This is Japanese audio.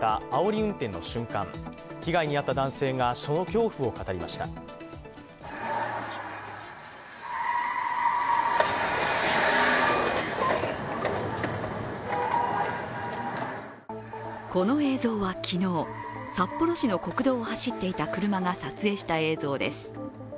この映像は昨日、札幌市の国道を走っていた車が撮影した映像です。